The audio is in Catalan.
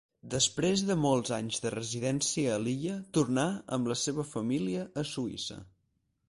Després de molts anys de residència a l'illa tornà amb la seva família a Suïssa.